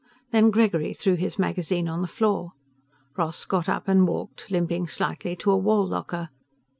Then Gregory threw his magazine on the floor. Ross got up and walked, limping slightly, to a wall locker.